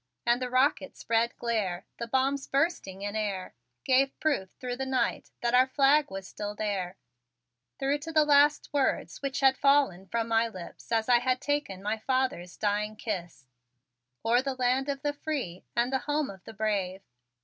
And the rocket's red glare, the bombs bursting in air, Gave proof thro' the night that our flag was still there " through to the last words which had fallen from my lips as I had taken my father's dying kiss: "O'er the land of the free and the home of the brave."